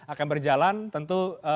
akan berjalan tentu